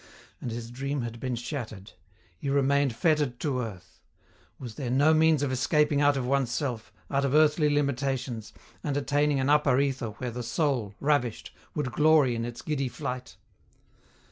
And his dream had been shattered. He remained fettered to earth. Was there no means of escaping out of one's self, out of earthly limitations, and attaining an upper ether where the soul, ravished, would glory in its giddy flight?